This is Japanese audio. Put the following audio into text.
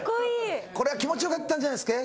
これは気持ち良かったんじゃないですか？